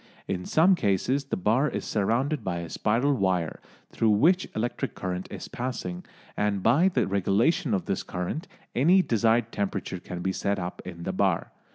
In some cases the bar is surrounded by a spiral wire through which electric current is passing, and by the regulation of this current any desired temperature can be set up in the bar.